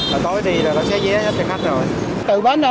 hồi tối đi là xé vé hết cho khách rồi